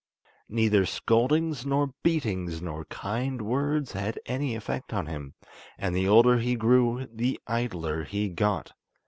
Neither scoldings nor beatings nor kind words had any effect on him, and the older he grew the idler he got.